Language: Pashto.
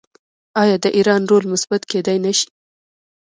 آیا د ایران رول مثبت کیدی نشي؟